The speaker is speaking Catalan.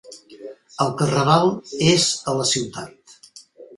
El carnaval és a la ciutat.